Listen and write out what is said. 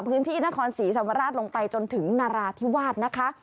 พื้นที่นครศรีธรรมราชลงไปจนถึงนราธิวาสนะคะ